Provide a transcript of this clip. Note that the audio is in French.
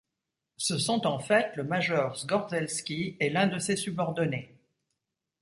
Ce sont en fait le major Zgorzelski et l'un de ses subordonnés.